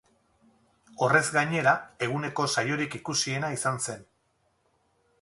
Horrez gainera, eguneko saiorik ikusiena izan zen.